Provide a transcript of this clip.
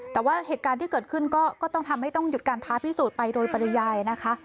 แต่ว่าเหตุการณ์ที่เกิดขึ้นก็ต้องทำให้ต้องหยุดการท้าพิสูจน์ไปโดยปริยายนะคะ